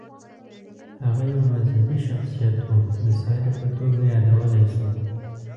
هغه یو مذهبي شخصیت و، د ساري په توګه یادولی شو.